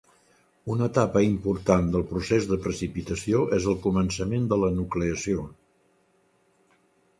Una etapa important del procés de precipitació és el començament de la nucleació.